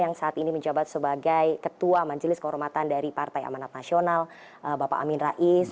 yang saat ini menjabat sebagai ketua majelis kehormatan dari partai amanat nasional bapak amin rais